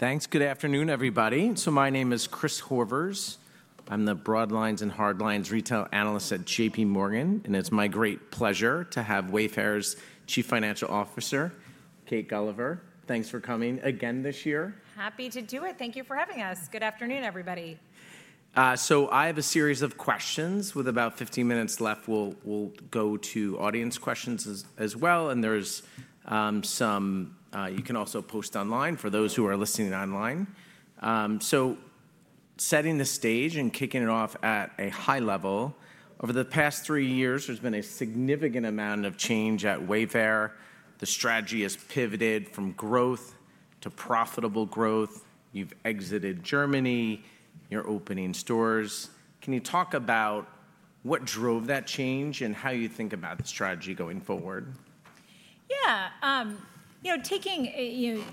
Thanks. Good afternoon, everybody. My name is Chris Horvers. I'm the broad lines and hard lines retail analyst at J.P. Morgan, and it's my great pleasure to have Wayfair's Chief Financial Officer, Kate Gulliver. Thanks for coming again this year. Happy to do it. Thank you for having us. Good afternoon, everybody. I have a series of questions. With about 15 minutes left, we'll go to audience questions as well. There's some you can also post online for those who are listening online. Setting the stage and kicking it off at a high level, over the past three years, there's been a significant amount of change at Wayfair. The strategy has pivoted from growth to profitable growth. You've exited Germany. You're opening stores. Can you talk about what drove that change and how you think about the strategy going forward? Yeah. You know, taking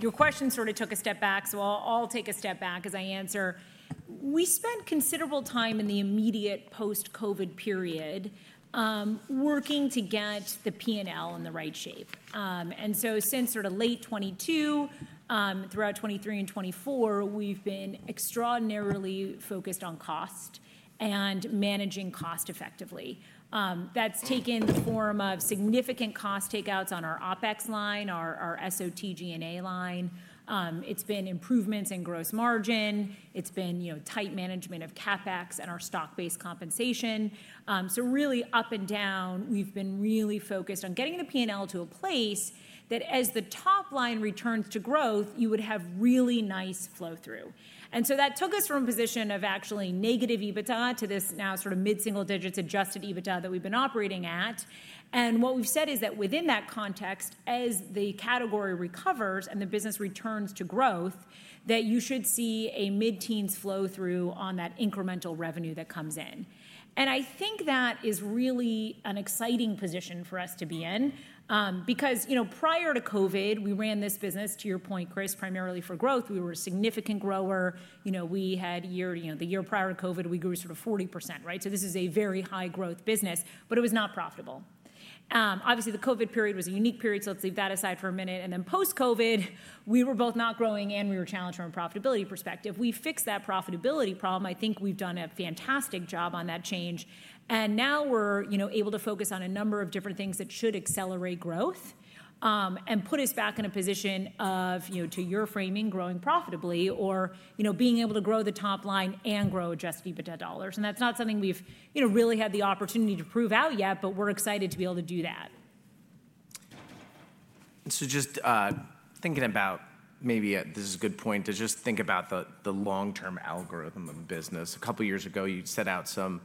your question sort of took a step back. So I'll take a step back as I answer. We spent considerable time in the immediate post-COVID period working to get the P&L in the right shape. And so since sort of late 2022, throughout 2023 and 2024, we've been extraordinarily focused on cost and managing cost effectively. That's taken the form of significant cost takeouts on our OpEx line, our SG&A line. It's been improvements in gross margin. It's been tight management of CapEx and our stock-based compensation. So really up and down, we've been really focused on getting the P&L to a place that as the top line returns to growth, you would have really nice flow through. And so that took us from a position of actually negative EBITDA to this now sort of mid-single digits adjusted EBITDA that we've been operating at. What we have said is that within that context, as the category recovers and the business returns to growth, you should see a mid-teens flow through on that incremental revenue that comes in. I think that is really an exciting position for us to be in because prior to COVID, we ran this business, to your point, Chris, primarily for growth. We were a significant grower. The year prior to COVID, we grew sort of 40%, right? This is a very high-growth business, but it was not profitable. Obviously, the COVID period was a unique period, so let's leave that aside for a minute. Then post-COVID, we were both not growing and we were challenged from a profitability perspective. We fixed that profitability problem. I think we have done a fantastic job on that change. We're able to focus on a number of different things that should accelerate growth and put us back in a position of, to your framing, growing profitably or being able to grow the top line and grow adjusted EBITDA dollars. That's not something we've really had the opportunity to prove out yet, but we're excited to be able to do that. Just thinking about maybe this is a good point to just think about the long-term algorithm of the business. A couple of years ago, you set out some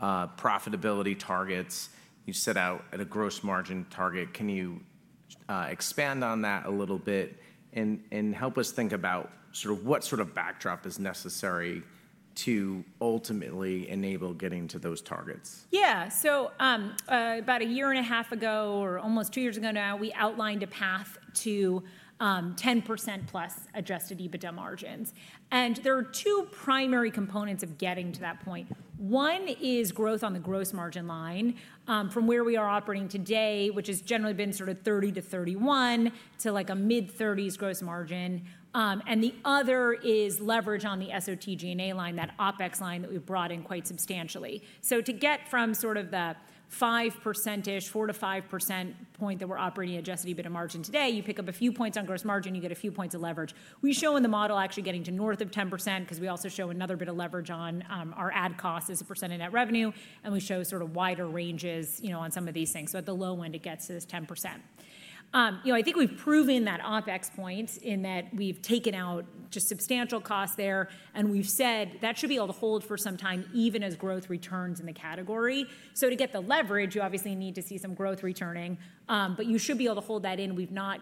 profitability targets. You set out a gross margin target. Can you expand on that a little bit and help us think about sort of what sort of backdrop is necessary to ultimately enable getting to those targets? Yeah. About a year and a half ago or almost two years ago now, we outlined a path to 10%+ adjusted EBITDA margins. There are two primary components of getting to that point. One is growth on the gross margin line from where we are operating today, which has generally been sort of 30%-31% to like a mid-30s gross margin. The other is leverage on the SG&A line, that OpEx line that we've brought in quite substantially. To get from sort of the 4%-5% point that we're operating adjusted EBITDA margin today, you pick up a few points on gross margin, you get a few points of leverage. We show in the model actually getting to north of 10% because we also show another bit of leverage on our ad cost as a percent of net revenue. We show sort of wider ranges on some of these things. At the low end, it gets to this 10%. I think we've proven that OpEx point in that we've taken out just substantial costs there. We've said that should be able to hold for some time even as growth returns in the category. To get the leverage, you obviously need to see some growth returning, but you should be able to hold that in. We've not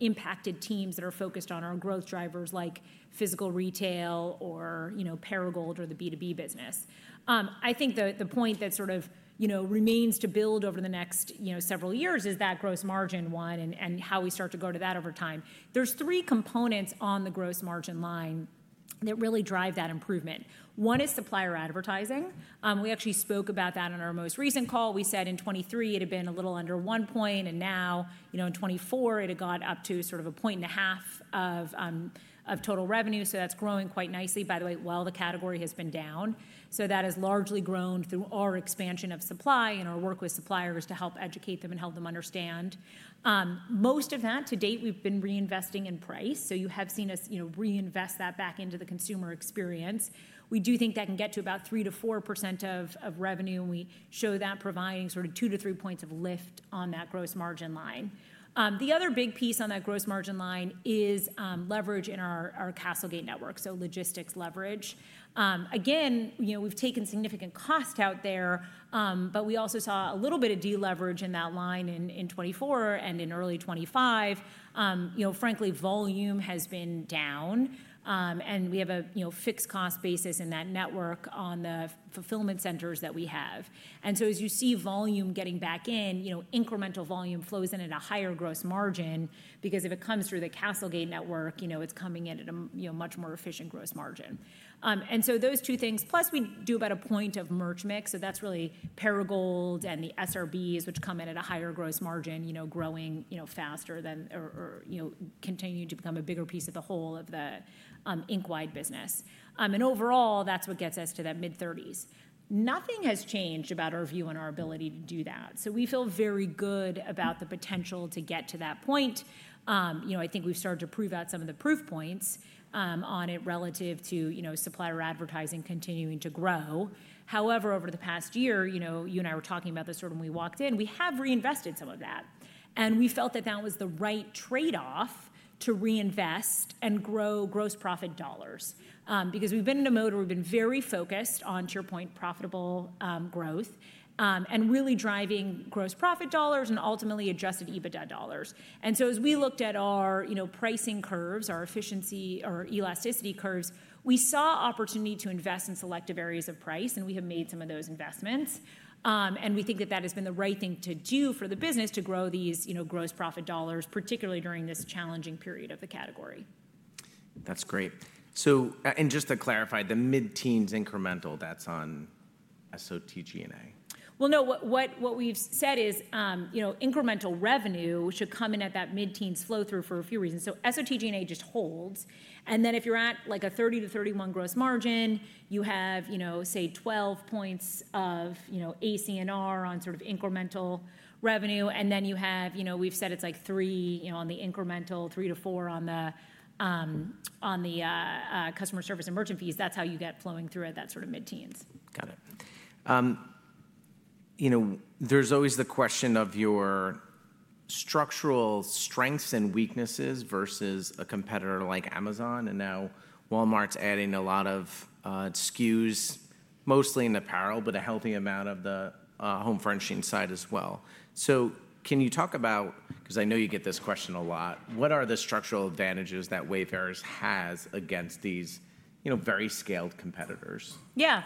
impacted teams that are focused on our growth drivers like physical retail or Perigold or the B2B business. I think the point that sort of remains to build over the next several years is that gross margin one and how we start to go to that over time. There are three components on the gross margin line that really drive that improvement. One is supplier advertising. We actually spoke about that on our most recent call. We said in 2023, it had been a little under one point. In 2024, it had got up to sort of a point and a half of total revenue. That is growing quite nicely, by the way, while the category has been down. That has largely grown through our expansion of supply and our work with suppliers to help educate them and help them understand. Most of that, to date, we have been reinvesting in price. You have seen us reinvest that back into the consumer experience. We do think that can get to about 3-4% of revenue. We show that providing sort of 2-3 points of lift on that gross margin line. The other big piece on that gross margin line is leverage in our Castlegate network, so logistics leverage. Again, we've taken significant cost out there, but we also saw a little bit of deleverage in that line in 2024 and in early 2025. Frankly, volume has been down, and we have a fixed cost basis in that network on the fulfillment centers that we have. As you see volume getting back in, incremental volume flows in at a higher gross margin because if it comes through the Castlegate network, it's coming in at a much more efficient gross margin. Those two things, plus we do about a point of merch mix. That's really Perigold and the SRBs, which come in at a higher gross margin, growing faster than or continuing to become a bigger piece of the whole of the ink-wide business. Overall, that's what gets us to that mid-30s. Nothing has changed about our view on our ability to do that. We feel very good about the potential to get to that point. I think we've started to prove out some of the proof points on it relative to supplier advertising continuing to grow. However, over the past year, you and I were talking about this sort of when we walked in, we have reinvested some of that. We felt that that was the right trade-off to reinvest and grow gross profit dollars because we've been in a mode where we've been very focused on, to your point, profitable growth and really driving gross profit dollars and ultimately adjusted EBITDA dollars. As we looked at our pricing curves, our efficiency or elasticity curves, we saw opportunity to invest in selective areas of price, and we have made some of those investments. We think that that has been the right thing to do for the business to grow these gross profit dollars, particularly during this challenging period of the category. That's great. And just to clarify, the mid-teens incremental, that's on SG&A? What we've said is incremental revenue should come in at that mid-teens flow through for a few reasons. SG&A just holds. If you're at like a 30%-31% gross margin, you have, say, 12 points of ACNR on sort of incremental revenue. We've said it's like three on the incremental, three to four on the customer service and merchant fees. That's how you get flowing through at that sort of mid-teens. Got it. There's always the question of your structural strengths and weaknesses versus a competitor like Amazon. Now Walmart's adding a lot of SKUs, mostly in apparel, but a healthy amount of the home furnishing side as well. Can you talk about, because I know you get this question a lot, what are the structural advantages that Wayfair has against these very scaled competitors? Yeah.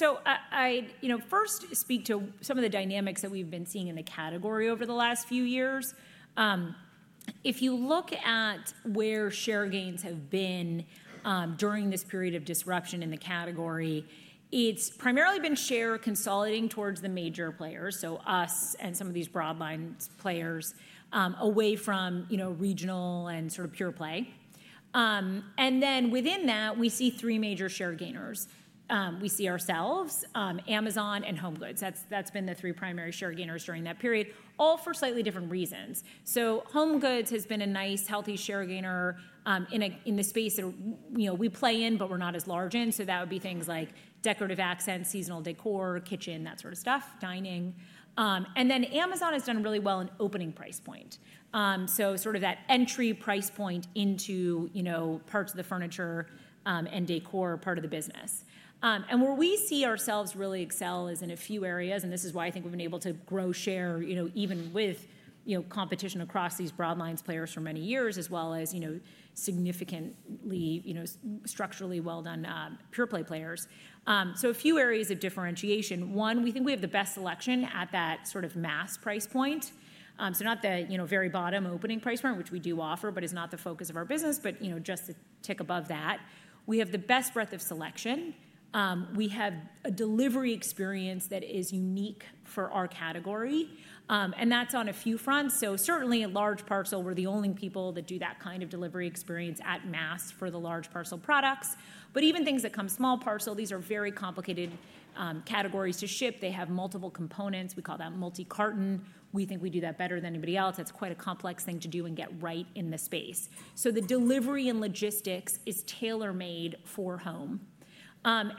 I first speak to some of the dynamics that we've been seeing in the category over the last few years. If you look at where share gains have been during this period of disruption in the category, it's primarily been share consolidating towards the major players, so us and some of these broad lines players away from regional and sort of pure play. Within that, we see three major share gainers. We see ourselves, Amazon, and HomeGoods. That's been the three primary share gainers during that period, all for slightly different reasons. HomeGoods has been a nice, healthy share gainer in the space that we play in, but we're not as large in. That would be things like decorative accents, seasonal decor, kitchen, that sort of stuff, dining. Amazon has done really well in opening price point. Sort of that entry price point into parts of the furniture and decor part of the business. Where we see ourselves really excel is in a few areas, and this is why I think we've been able to grow share even with competition across these broad lines players for many years, as well as significantly structurally well-done pure play players. A few areas of differentiation. One, we think we have the best selection at that sort of mass price point. Not the very bottom opening price point, which we do offer, but is not the focus of our business, but just a tick above that. We have the best breadth of selection. We have a delivery experience that is unique for our category. That's on a few fronts. Certainly a large parcel, we're the only people that do that kind of delivery experience at mass for the large parcel products. Even things that come small parcel, these are very complicated categories to ship. They have multiple components. We call that multi-carton. We think we do that better than anybody else. That's quite a complex thing to do and get right in the space. The delivery and logistics is tailor-made for home.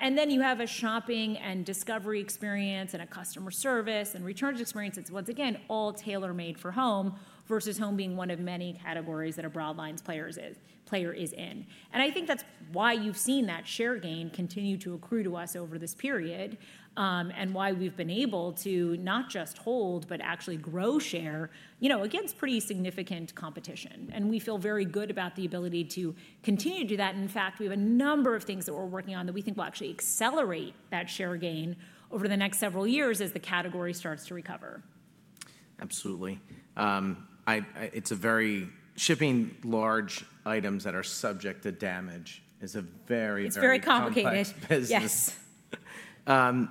Then you have a shopping and discovery experience and a customer service and returns experience. It's once again all tailor-made for home versus home being one of many categories that a broad lines player is in. I think that's why you've seen that share gain continue to accrue to us over this period and why we've been able to not just hold, but actually grow share against pretty significant competition. We feel very good about the ability to continue to do that. In fact, we have a number of things that we're working on that we think will actually accelerate that share gain over the next several years as the category starts to recover. Absolutely. Shipping large items that are subject to damage is a very, very complex business. It's very complicated. Yes.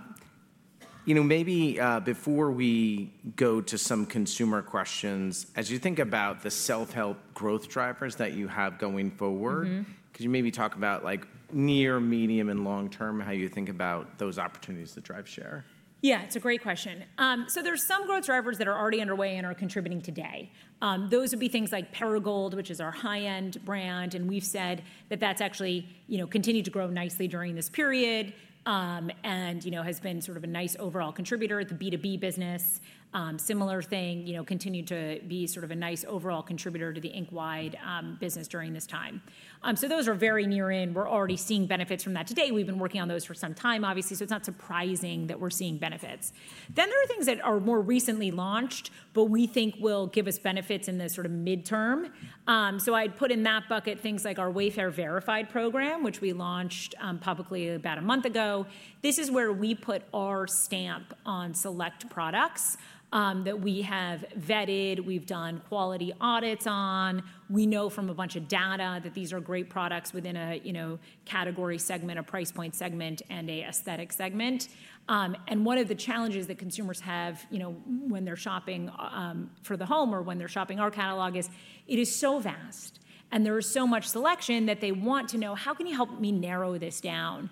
Maybe before we go to some consumer questions, as you think about the self-help growth drivers that you have going forward, could you maybe talk about near, medium, and long term how you think about those opportunities to drive share? Yeah, it's a great question. There are some growth drivers that are already underway and are contributing today. Those would be things like Perigold, which is our high-end brand. We've said that that's actually continued to grow nicely during this period and has been sort of a nice overall contributor at the B2B business. Similar thing, continue to be sort of a nice overall contributor to the Inc-wide business during this time. Those are very near in. We're already seeing benefits from that today. We've been working on those for some time, obviously. It's not surprising that we're seeing benefits. There are things that are more recently launched, but we think will give us benefits in the sort of midterm. I'd put in that bucket things like our Wayfair Verified program, which we launched publicly about a month ago. This is where we put our stamp on select products that we have vetted. We've done quality audits on. We know from a bunch of data that these are great products within a category segment, a price point segment, and an aesthetic segment. One of the challenges that consumers have when they're shopping for the home or when they're shopping our catalog is it is so vast and there is so much selection that they want to know, how can you help me narrow this down?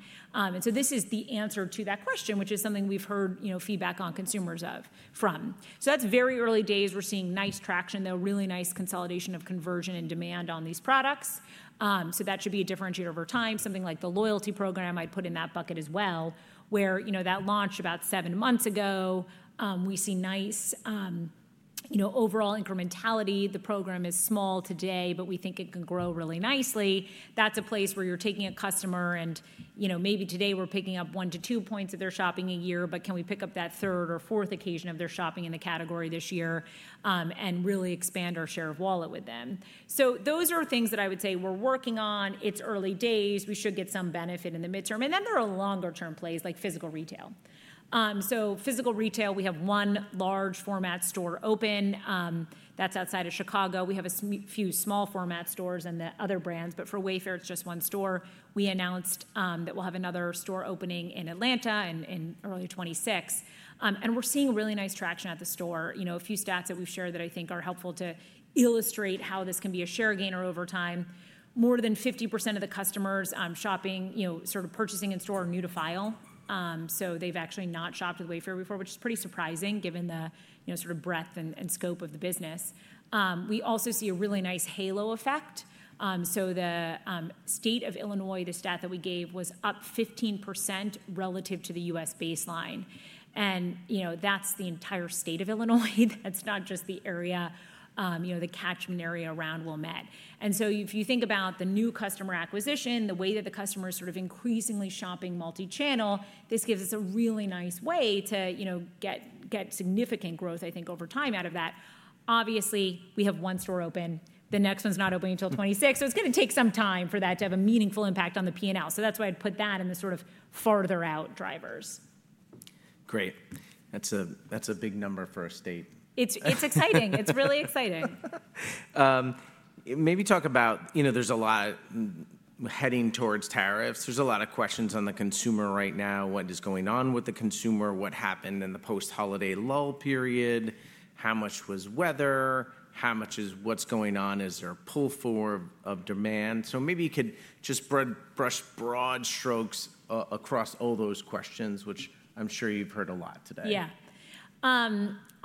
This is the answer to that question, which is something we've heard feedback on consumers from. That's very early days. We're seeing nice traction, though, really nice consolidation of conversion and demand on these products. That should be a differentiator over time. Something like the loyalty program I'd put in that bucket as well, where that launched about seven months ago. We see nice overall incrementality. The program is small today, but we think it can grow really nicely. That's a place where you're taking a customer and maybe today we're picking up one to two points of their shopping a year, but can we pick up that third or fourth occasion of their shopping in the category this year and really expand our share of wallet with them? Those are things that I would say we're working on. It's early days. We should get some benefit in the midterm. There are longer-term plays like physical retail. Physical retail, we have one large format store open. That's outside of Chicago. We have a few small format stores in the other brands, but for Wayfair, it's just one store. We announced that we'll have another store opening in Atlanta in early 2026. We're seeing really nice traction at the store. A few stats that we've shared that I think are helpful to illustrate how this can be a share gainer over time. More than 50% of the customers shopping, sort of purchasing in store, are new to file. They've actually not shopped at Wayfair before, which is pretty surprising given the sort of breadth and scope of the business. We also see a really nice halo effect. The state of Illinois, the stat that we gave was up 15% relative to the U.S. baseline. That's the entire state of Illinois. That's not just the area, the catchment area around Wilmette. If you think about the new customer acquisition, the way that the customer is sort of increasingly shopping multi-channel, this gives us a really nice way to get significant growth, I think, over time out of that. Obviously, we have one store open. The next one is not opening until 2026. It is going to take some time for that to have a meaningful impact on the P&L. That is why I would put that in the sort of farther out drivers. Great. That's a big number for a state. It's exciting. It's really exciting. Maybe talk about there's a lot heading towards tariffs. There's a lot of questions on the consumer right now. What is going on with the consumer? What happened in the post-holiday lull period? How much was weather? How much is what's going on? Is there a pull forward of demand? Maybe you could just brush broad strokes across all those questions, which I'm sure you've heard a lot today. Yeah.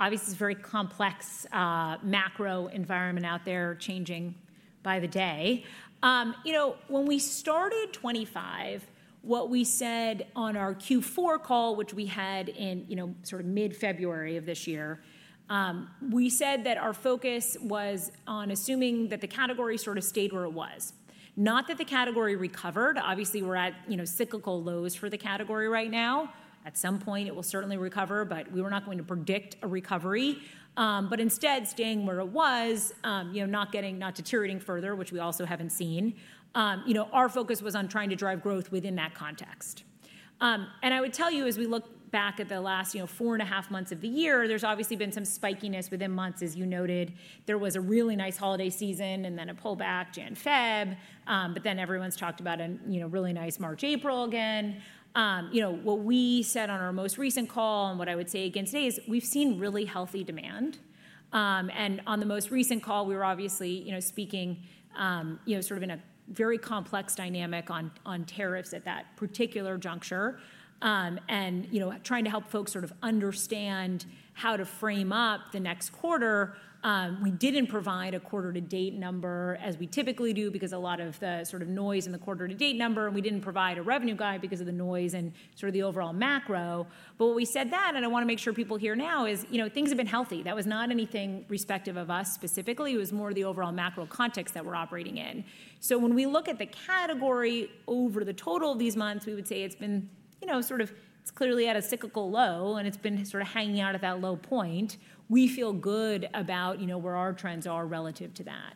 Obviously, it's a very complex macro environment out there changing by the day. When we started 2025, what we said on our Q4 call, which we had in sort of mid-February of this year, we said that our focus was on assuming that the category sort of stayed where it was. Not that the category recovered. Obviously, we're at cyclical lows for the category right now. At some point, it will certainly recover, but we were not going to predict a recovery. Instead, staying where it was, not deteriorating further, which we also haven't seen, our focus was on trying to drive growth within that context. I would tell you, as we look back at the last four and a half months of the year, there's obviously been some spikiness within months, as you noted. There was a really nice holiday season and then a pullback, January-February, but then everyone's talked about a really nice March-April again. What we said on our most recent call and what I would say again today is we've seen really healthy demand. On the most recent call, we were obviously speaking sort of in a very complex dynamic on tariffs at that particular juncture and trying to help folks sort of understand how to frame up the next quarter. We did not provide a quarter-to-date number as we typically do because a lot of the sort of noise in the quarter-to-date number, and we did not provide a revenue guide because of the noise and sort of the overall macro. What we said then, and I want to make sure people hear now, is things have been healthy. That was not anything respective of us specifically. It was more of the overall macro context that we're operating in. When we look at the category over the total of these months, we would say it's been sort of clearly at a cyclical low, and it's been sort of hanging out at that low point. We feel good about where our trends are relative to that.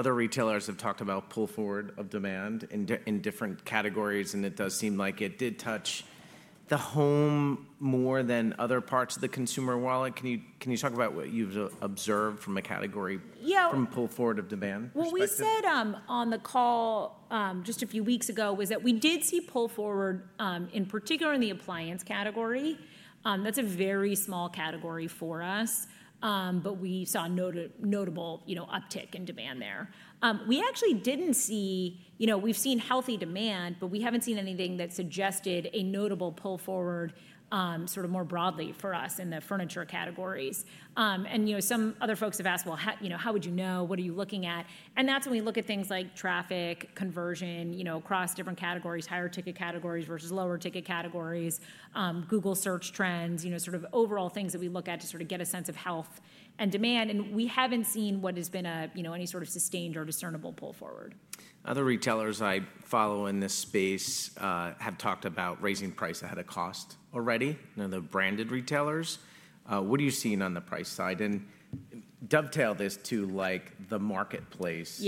Other retailers have talked about pull forward of demand in different categories, and it does seem like it did touch the home more than other parts of the consumer wallet. Can you talk about what you've observed from a category from pull forward of demand? Yeah. What we said on the call just a few weeks ago was that we did see pull forward, in particular in the appliance category. That's a very small category for us, but we saw a notable uptick in demand there. We actually didn't see—we've seen healthy demand, but we haven't seen anything that suggested a notable pull forward sort of more broadly for us in the furniture categories. Some other folks have asked, well, how would you know? What are you looking at? That's when we look at things like traffic, conversion across different categories, higher ticket categories versus lower ticket categories, Google search trends, sort of overall things that we look at to sort of get a sense of health and demand. We haven't seen what has been any sort of sustained or discernible pull forward. Other retailers I follow in this space have talked about raising price ahead of cost already, the branded retailers. What are you seeing on the price side? Dovetail this to the marketplace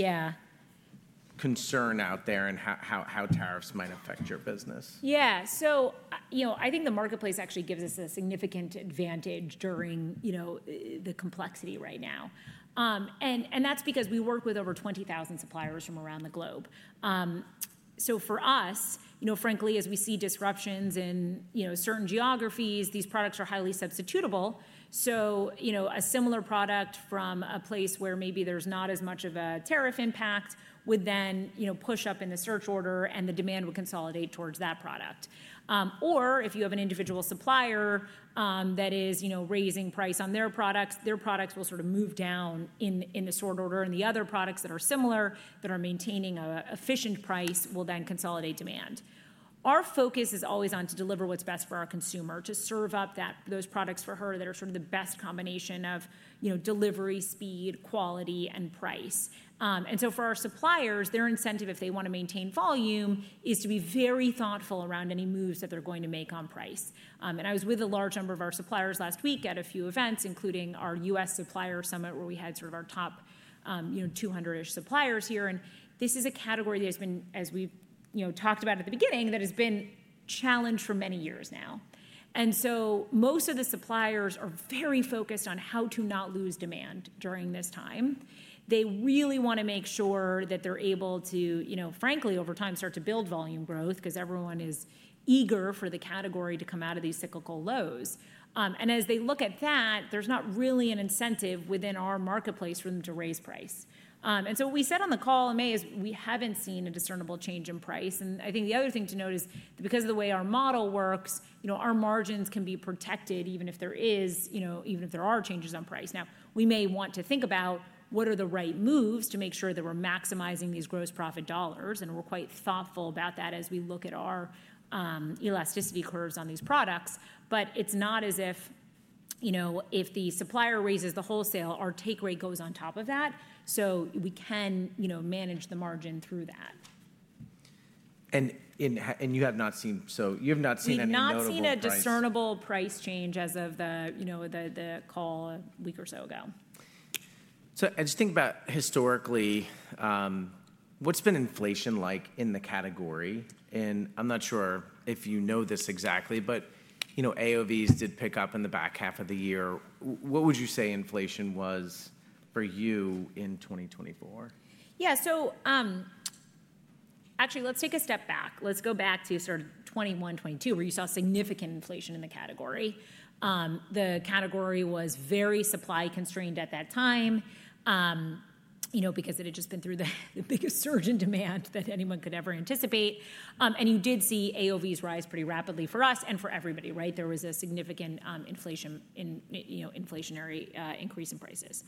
concern out there and how tariffs might affect your business. Yeah. I think the marketplace actually gives us a significant advantage during the complexity right now. That's because we work with over 20,000 suppliers from around the globe. For us, frankly, as we see disruptions in certain geographies, these products are highly substitutable. A similar product from a place where maybe there's not as much of a tariff impact would then push up in the search order, and the demand would consolidate towards that product. If you have an individual supplier that is raising price on their products, their products will sort of move down in the sort order. The other products that are similar that are maintaining an efficient price will then consolidate demand. Our focus is always on to deliver what's best for our consumer, to serve up those products for her that are sort of the best combination of delivery speed, quality, and price. For our suppliers, their incentive, if they want to maintain volume, is to be very thoughtful around any moves that they're going to make on price. I was with a large number of our suppliers last week at a few events, including our U.S. supplier summit where we had sort of our top 200-ish suppliers here. This is a category that has been, as we talked about at the beginning, that has been challenged for many years now. Most of the suppliers are very focused on how to not lose demand during this time. They really want to make sure that they're able to, frankly, over time, start to build volume growth because everyone is eager for the category to come out of these cyclical lows. As they look at that, there's not really an incentive within our marketplace for them to raise price. What we said on the call in May is we haven't seen a discernible change in price. I think the other thing to note is because of the way our model works, our margins can be protected even if there is, even if there are changes on price. We may want to think about what are the right moves to make sure that we're maximizing these gross profit dollars. We're quite thoughtful about that as we look at our elasticity curves on these products. It is not as if if the supplier raises the wholesale, our take rate goes on top of that. So we can manage the margin through that. You have not seen any notable price change. We have not seen a discernible price change as of the call a week or so ago. As you think about historically, what's been inflation like in the category? I'm not sure if you know this exactly, but AOVs did pick up in the back half of the year. What would you say inflation was for you in 2024? Yeah. Actually, let's take a step back. Let's go back to sort of 2021, 2022, where you saw significant inflation in the category. The category was very supply constrained at that time because it had just been through the biggest surge in demand that anyone could ever anticipate. You did see AOVs rise pretty rapidly for us and for everybody, right? There was a significant inflationary increase in prices.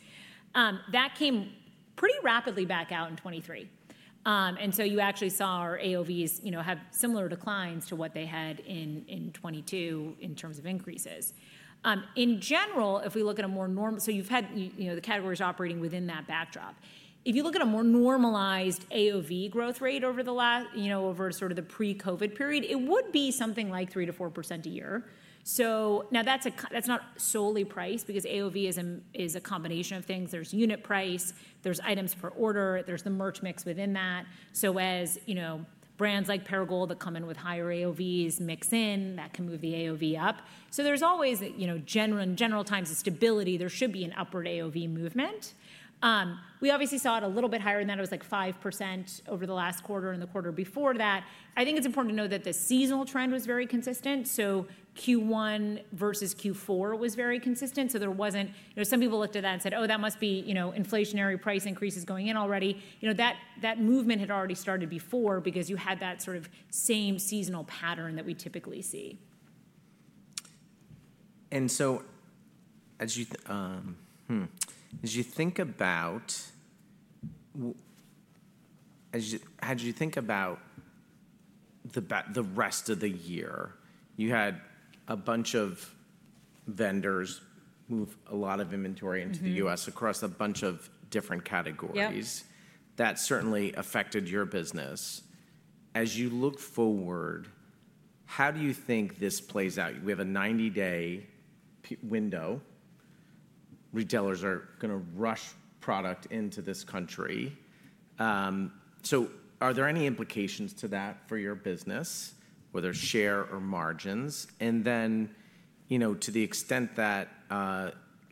That came pretty rapidly back out in 2023. You actually saw our AOVs have similar declines to what they had in 2022 in terms of increases. In general, if we look at a more normal, so you've had the categories operating within that backdrop. If you look at a more normalized AOV growth rate over the last, over sort of the pre-COVID period, it would be something like 3-4% a year. Now that's not solely price because AOV is a combination of things. There's unit price, there's items per order, there's the merch mix within that. As brands like Perigold that come in with higher AOVs mix in, that can move the AOV up. There's always general times of stability. There should be an upward AOV movement. We obviously saw it a little bit higher than that. It was like 5% over the last quarter and the quarter before that. I think it's important to note that the seasonal trend was very consistent. Q1 versus Q4 was very consistent. There wasn't some people looked at that and said, "Oh, that must be inflationary price increases going in already." That movement had already started before because you had that sort of same seasonal pattern that we typically see. As you think about how did you think about the rest of the year? You had a bunch of vendors move a lot of inventory into the U.S. across a bunch of different categories. That certainly affected your business. As you look forward, how do you think this plays out? We have a 90-day window. Retailers are going to rush product into this country. Are there any implications to that for your business, whether share or margins? To the extent that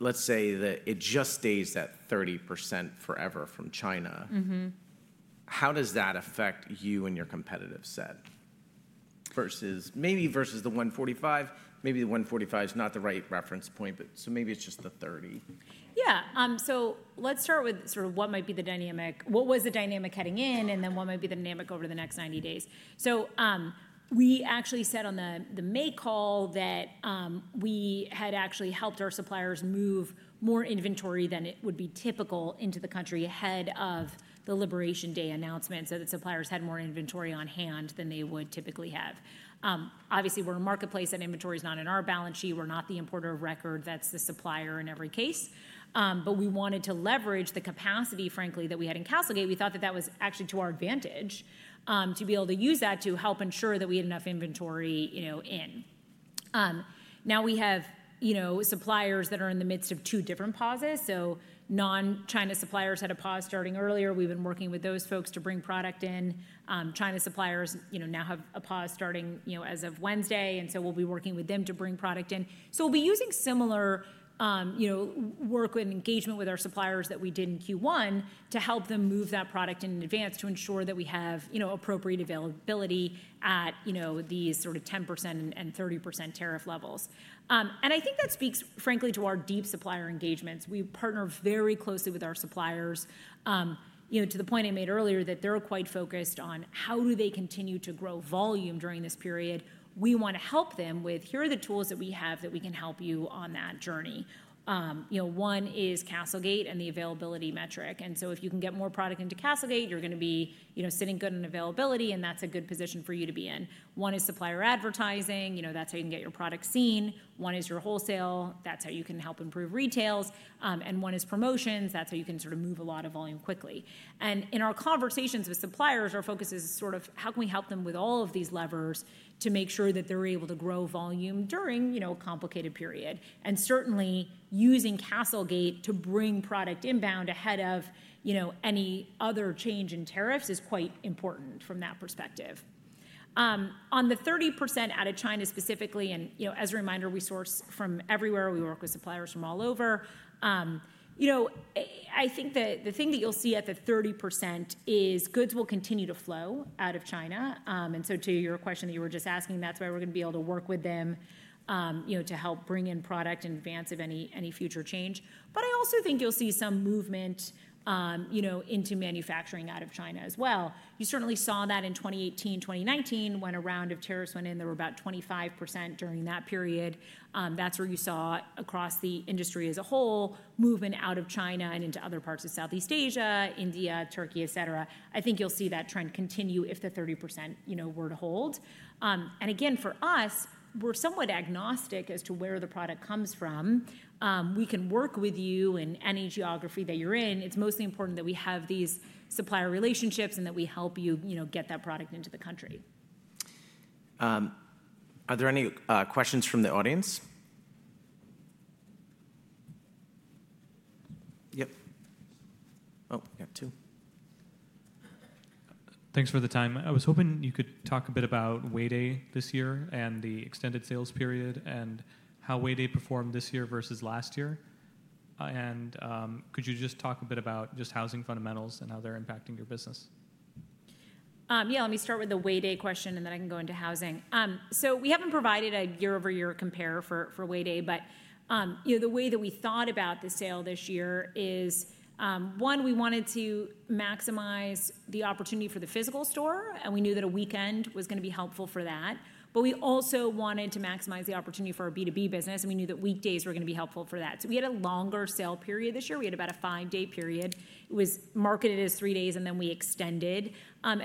let's say that it just stays at 30% forever from China, how does that affect you and your competitive set? Maybe versus the 145, maybe the 145 is not the right reference point, but maybe it's just the 30. Yeah. Let's start with sort of what might be the dynamic. What was the dynamic heading in, and then what might be the dynamic over the next 90 days? We actually said on the May call that we had actually helped our suppliers move more inventory than would be typical into the country ahead of the Liberation Day announcement so that suppliers had more inventory on hand than they would typically have. Obviously, we're a marketplace and inventory is not on our balance sheet. We're not the importer of record. That's the supplier in every case. We wanted to leverage the capacity, frankly, that we had in Castlegate. We thought that was actually to our advantage to be able to use that to help ensure that we had enough inventory in. Now we have suppliers that are in the midst of two different pauses. Non-China suppliers had a pause starting earlier. We've been working with those folks to bring product in. China suppliers now have a pause starting as of Wednesday. We'll be working with them to bring product in. We'll be using similar work and engagement with our suppliers that we did in Q1 to help them move that product in advance to ensure that we have appropriate availability at these sort of 10% and 30% tariff levels. I think that speaks, frankly, to our deep supplier engagements. We partner very closely with our suppliers to the point I made earlier that they're quite focused on how do they continue to grow volume during this period. We want to help them with, "Here are the tools that we have that we can help you on that journey." One is Castlegate and the availability metric. If you can get more product into Castlegate, you're going to be sitting good on availability, and that's a good position for you to be in. One is supplier advertising. That's how you can get your product seen. One is your wholesale. That's how you can help improve retails. And one is promotions. That's how you can sort of move a lot of volume quickly. In our conversations with suppliers, our focus is sort of how can we help them with all of these levers to make sure that they're able to grow volume during a complicated period. Certainly, using Castlegate to bring product inbound ahead of any other change in tariffs is quite important from that perspective. On the 30% out of China specifically, and as a reminder, we source from everywhere. We work with suppliers from all over. I think the thing that you'll see at the 30% is goods will continue to flow out of China. To your question that you were just asking, that's why we're going to be able to work with them to help bring in product in advance of any future change. I also think you'll see some movement into manufacturing out of China as well. You certainly saw that in 2018, 2019 when a round of tariffs went in. There were about 25% during that period. That's where you saw across the industry as a whole movement out of China and into other parts of Southeast Asia, India, Turkey, etc. I think you'll see that trend continue if the 30% were to hold. For us, we're somewhat agnostic as to where the product comes from. We can work with you in any geography that you're in. It's mostly important that we have these supplier relationships and that we help you get that product into the country. Are there any questions from the audience? Yep. Oh, we have two. Thanks for the time. I was hoping you could talk a bit about Wayday this year and the extended sales period and how Wayday performed this year versus last year. Could you just talk a bit about just housing fundamentals and how they're impacting your business? Yeah. Let me start with the Wayday question, and then I can go into housing. We haven't provided a year-over-year compare for Wayday, but the way that we thought about the sale this year is, one, we wanted to maximize the opportunity for the physical store, and we knew that a weekend was going to be helpful for that. We also wanted to maximize the opportunity for our B2B business, and we knew that weekdays were going to be helpful for that. We had a longer sale period this year. We had about a five-day period. It was marketed as three days, and then we extended.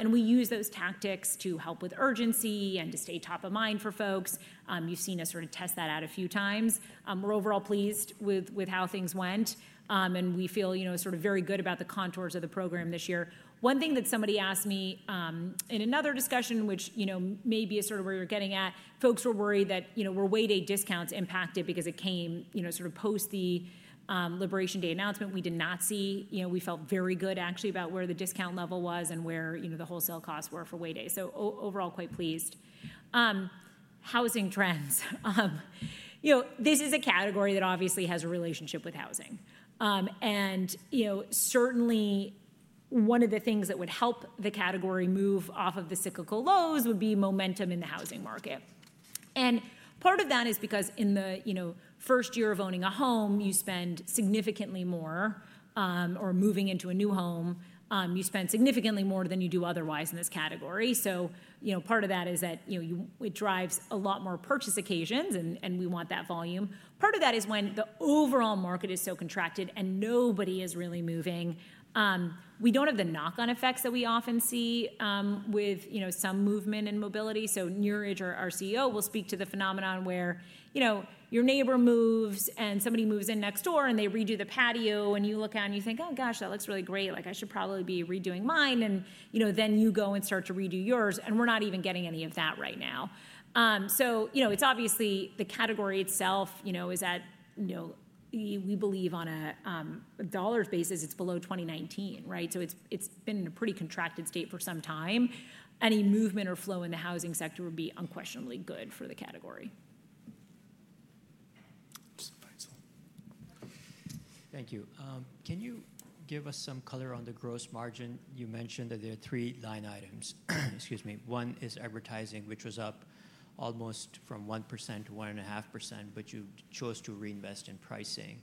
We used those tactics to help with urgency and to stay top of mind for folks. You've seen us sort of test that out a few times. We're overall pleased with how things went, and we feel sort of very good about the contours of the program this year. One thing that somebody asked me in another discussion, which may be sort of where you're getting at, folks were worried that were Wayday discounts impacted because it came sort of post the Liberation Day announcement. We did not see, we felt very good actually about where the discount level was and where the wholesale costs were for Wayday. Overall, quite pleased. Housing trends. This is a category that obviously has a relationship with housing. Certainly, one of the things that would help the category move off of the cyclical lows would be momentum in the housing market. Part of that is because in the first year of owning a home, you spend significantly more or moving into a new home, you spend significantly more than you do otherwise in this category. Part of that is that it drives a lot more purchase occasions, and we want that volume. Part of that is when the overall market is so contracted and nobody is really moving. We do not have the knock-on effects that we often see with some movement and mobility. Niraj, our CEO, will speak to the phenomenon where your neighbor moves and somebody moves in next door and they redo the patio and you look out and you think, "Oh gosh, that looks really great. I should probably be redoing mine." You go and start to redo yours. We are not even getting any of that right now. It's obviously the category itself is at, we believe on a dollars basis, it's below 2019, right? It's been in a pretty contracted state for some time. Any movement or flow in the housing sector would be unquestionably good for the category. Thank you. Can you give us some color on the gross margin? You mentioned that there are three line items. Excuse me. One is advertising, which was up almost from 1%-1.5%, but you chose to reinvest in pricing.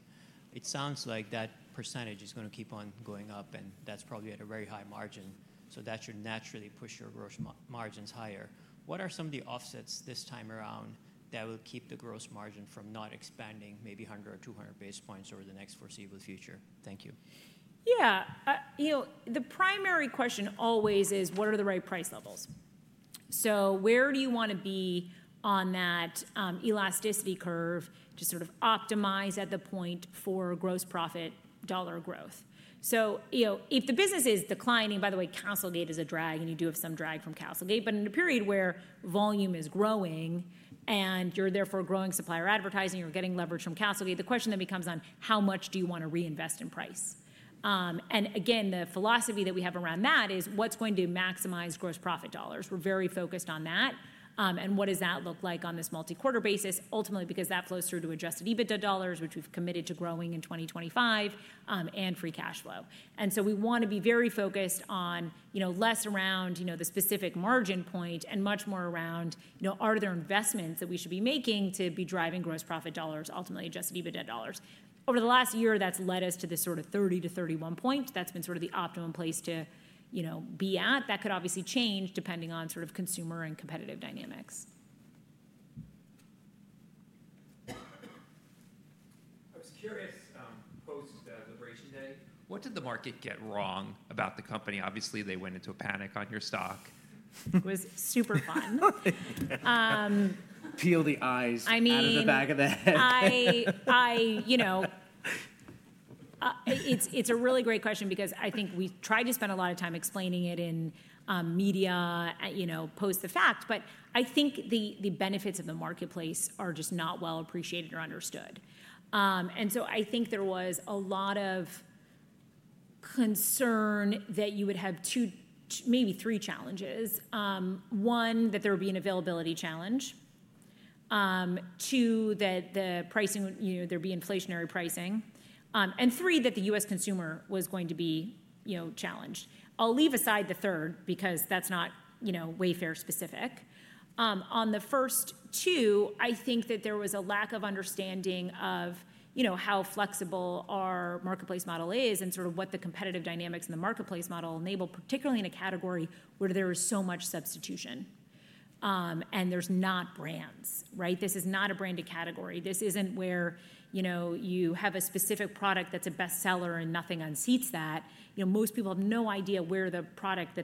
It sounds like that percentage is going to keep on going up, and that's probably at a very high margin. So that should naturally push your gross margins higher. What are some of the offsets this time around that will keep the gross margin from not expanding maybe 100 or 200 basis points over the next foreseeable future? Thank you. Yeah. The primary question always is, what are the right price levels? Where do you want to be on that elasticity curve to sort of optimize at the point for gross profit dollar growth? If the business is declining, by the way, Castlegate is a drag, and you do have some drag from Castlegate. In a period where volume is growing and you're therefore growing supplier advertising, you're getting leverage from Castlegate, the question then becomes how much do you want to reinvest in price? Again, the philosophy that we have around that is what's going to maximize gross profit dollars. We're very focused on that. What does that look like on this multi-quarter basis? Ultimately, because that flows through to adjusted EBITDA dollars, which we've committed to growing in 2025, and free cash flow. We want to be very focused on less around the specific margin point and much more around are there investments that we should be making to be driving gross profit dollars, ultimately adjusted EBITDA dollars. Over the last year, that's led us to this sort of 30-31 point. That's been sort of the optimum place to be at. That could obviously change depending on sort of consumer and competitive dynamics. I was curious post Liberation Day. What did the market get wrong about the company? Obviously, they went into a panic on your stock. It was super fun. Peel the eyes out of the back of the head. It's a really great question because I think we tried to spend a lot of time explaining it in media post the fact, but I think the benefits of the marketplace are just not well appreciated or understood. I think there was a lot of concern that you would have maybe three challenges. One, that there would be an availability challenge. Two, that there'd be inflationary pricing. Three, that the U.S. consumer was going to be challenged. I'll leave aside the third because that's not Wayfair specific. On the first two, I think that there was a lack of understanding of how flexible our marketplace model is and sort of what the competitive dynamics in the marketplace model enable, particularly in a category where there is so much substitution and there's not brands, right? This is not a branded category. This isn't where you have a specific product that's a best seller and nothing unseats that. Most people have no idea where the product,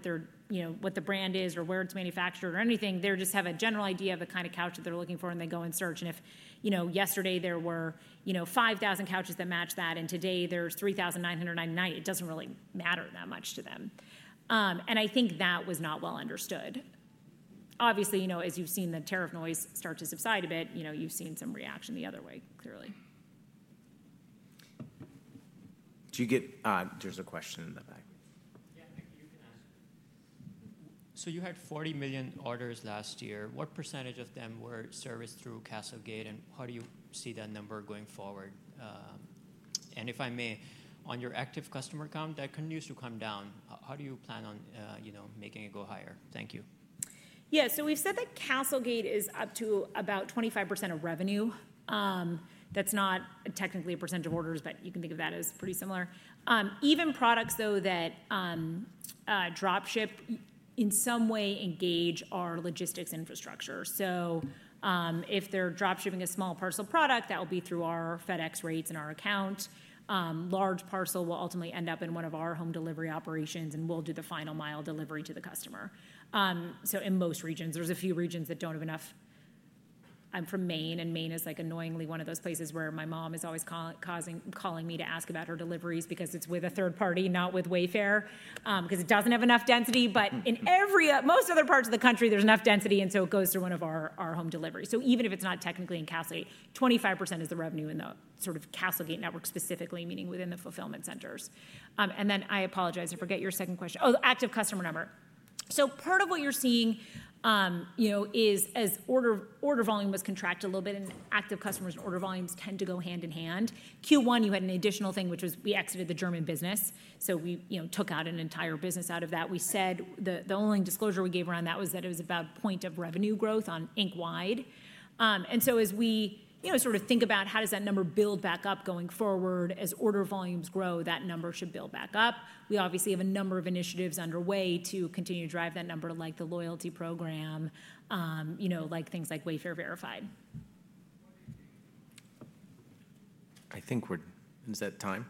what the brand is or where it's manufactured or anything. They just have a general idea of the kind of couch that they're looking for, and they go and search. If yesterday there were 5,000 couches that matched that, and today there's 3,999, it doesn't really matter that much to them. I think that was not well understood. Obviously, as you've seen the tariff noise start to subside a bit, you've seen some reaction the other way, clearly. There's a question in the back. Yeah, you can ask. You had 40 million orders last year. What percentage of them were serviced through Castlegate, and how do you see that number going forward? If I may, on your active customer count, that continues to come down. How do you plan on making it go higher? Thank you. Yeah. So we've said that Castlegate is up to about 25% of revenue. That's not technically a percentage of orders, but you can think of that as pretty similar. Even products, though, that dropship in some way engage our logistics infrastructure. If they're dropshipping a small parcel product, that will be through our FedEx rates and our account. Large parcel will ultimately end up in one of our home delivery operations, and we'll do the final mile delivery to the customer. In most regions, there's a few regions that don't have enough. I'm from Maine, and Maine is annoyingly one of those places where my mom is always calling me to ask about her deliveries because it's with a third party, not with Wayfair, because it doesn't have enough density. In most other parts of the country, there's enough density, and so it goes through one of our home deliveries. Even if it's not technically in Castlegate, 25% is the revenue in the sort of Castlegate network specifically, meaning within the fulfillment centers. I apologize. I forget your second question. Oh, active customer number. Part of what you're seeing is as order volume was contracted a little bit, and active customers and order volumes tend to go hand in hand. Q1, you had an additional thing, which was we exited the German business. We took out an entire business out of that. The only disclosure we gave around that was that it was about point of revenue growth on ink wide. As we sort of think about how does that number build back up going forward, as order volumes grow, that number should build back up. We obviously have a number of initiatives underway to continue to drive that number, like the loyalty program, like things like Wayfair Verified. I think we're—is that time?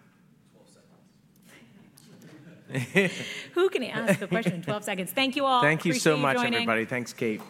12 seconds. Who can ask the question in 12 seconds? Thank you all. Thank you so much, everybody. Thanks, Kate.